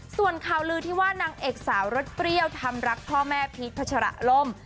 ส่วนข่าวลือที่ว่านางเอกสาวรสเปรี้ยวทำรักพ่อแม่พีชพัชระล่ม